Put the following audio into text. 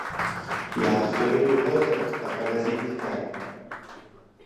Иаахҵәаны иуҳәозар, апаразит цқьа.